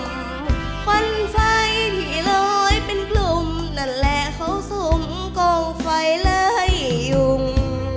ควันใสที่ลอยเป็นกลุ่มนั่นแหละเขาสมกองไฟเลยยุ่ง